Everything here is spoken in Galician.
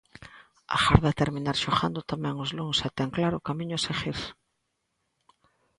Agarda terminar xogando tamén os luns e ten claro o camiño a seguir.